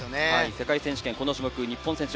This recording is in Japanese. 世界選手権、この種目日本選手